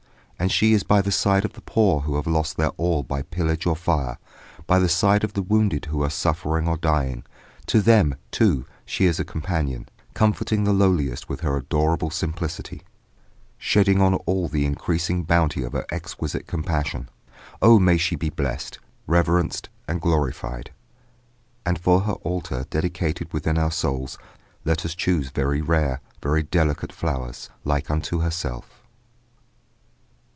And she is by the side of the poor who have lost their all by pillage or fire; by the side of the wounded who are suffering or dying; to them, too, she is a companion, comforting the lowliest with her adorable simplicity, shedding on all the increasing bounty of her exquisite compassion. Oh, may she be blest, reverenced, and glorified! And for her altar, dedicated within our souls, let us choose very rare, very delicate flowers, like unto herself.